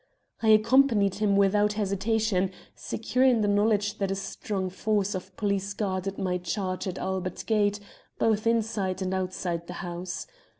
"I accompanied him without hesitation, secure in the knowledge that a strong force of police guarded my charge at Albert Gate, both inside and outside the house.